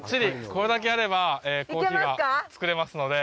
これだけあればコーヒーが作れますので。